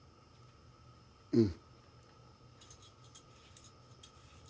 うん。